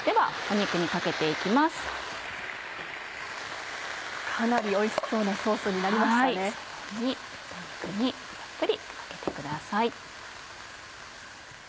肉にたっぷりかけてください。